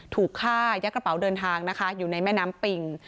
ถูกฆ่ายัดกระเป๋าเดินทางนะคะอยู่ในแม่น้ำปิง